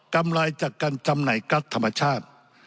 ำไรจากการจำหน่ายกัสธรรมชาติ